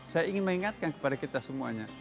saya ingin mengingatkan kepada kita semuanya